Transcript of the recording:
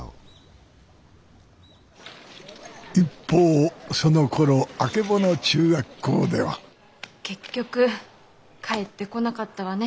一方そのころあけぼの中学校では結局帰ってこなかったわね